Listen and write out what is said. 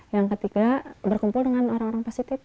yang ketiga berkumpul dengan orang orang positif